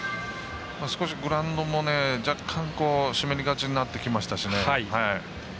少しグラウンドも若干湿りがちになってきましたしね。